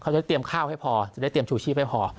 จะเตรียมข้าวให้พอจะได้เตรียมชูชีพให้พอ